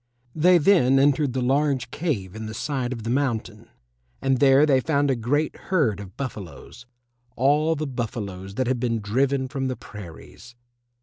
They then entered the large cave in the side of the mountain, and there they found a great herd of buffaloes all the buffaloes that had been driven from the prairies.